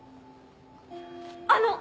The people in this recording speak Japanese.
あの！